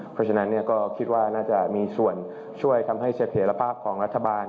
เพราะฉะนั้นก็คิดว่าน่าจะมีส่วนช่วยทำให้เสถียรภาพของรัฐบาล